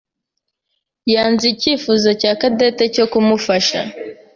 yanze icyifuzo cya Cadette cyo kumufasha.